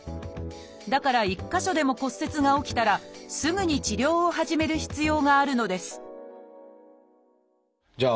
だから１か所でも骨折が起きたらすぐに治療を始める必要があるのですじゃあ